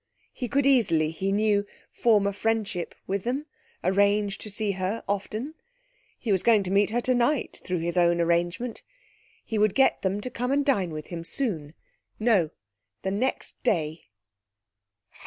He could easily, he knew, form a friendship with them; arrange to see her often. He was going to meet her tonight, through his own arrangement. He would get them to come and dine with him soon no, the next day.